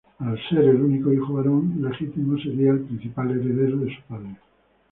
Al ser el único hijo varón legítimo, sería el principal heredero de su padre.